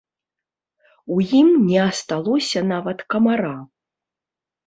У ім не асталося нават камара.